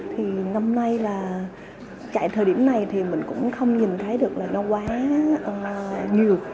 thì năm nay là chạy thời điểm này thì mình cũng không nhìn thấy được là nó quá nhiều